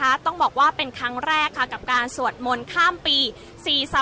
อาจจะออกมาใช้สิทธิ์กันแล้วก็จะอยู่ยาวถึงในข้ามคืนนี้เลยนะคะ